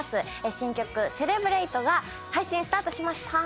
新曲『ｃｅｌｅｂｒａｔｅ』が配信スタートしました。